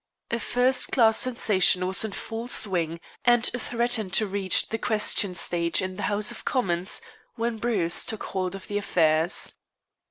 A first class sensation was in full swing and threatened to reach the question stage in the House of Commons when Bruce took hold of affairs.